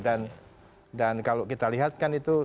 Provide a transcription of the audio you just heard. dan kalau kita lihatkan itu